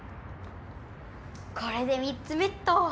これで３つ目っと！